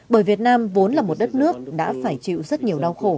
bởi việt nam vốn là một đất nước đã phải chịu rất nhiều đau khổ